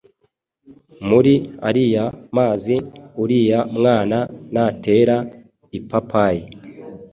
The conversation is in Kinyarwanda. muri ariya mazi, uriya mwana natera ipapayi,